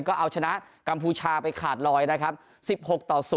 ก็เอาชนะกัมพูชาไปขาดลอยนะครับ๑๖ต่อ๐